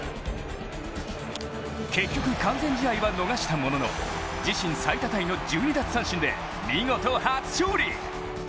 結局、完全試合は逃したものの自身最多タイの１２奪三振で見事初勝利。